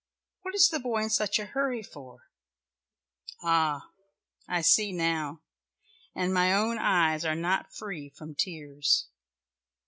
What is the boy in such a hurry for? Ah I see now, and my own eyes are not free from tears.